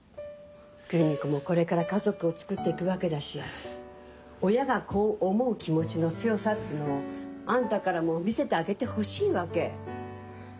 空見子もこれから家族をつくって行くわけだし親が子を思う気持ちの強さっていうのをあんたからも見せてあげてほしいわけ。